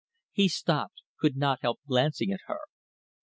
He stopped could not help glancing at her.